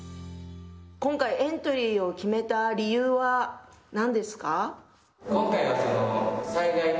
今回、エントリーを決めた理由はなんですか？